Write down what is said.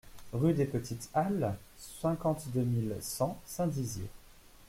Rue des Petites Halles, cinquante-deux mille cent Saint-Dizier